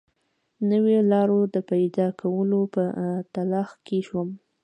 نویو لارو د پیدا کولو په تلاښ کې شوم.